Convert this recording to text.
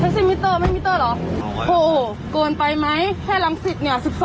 แท็กซี่มิตเตอร์ไม่มิตเตอร์เหรอโหโกนไปไหมแค่รังสิทธิ์เนี่ย๑๒๑๓กิโล